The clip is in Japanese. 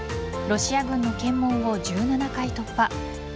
ロシア軍の検問を１７回突破。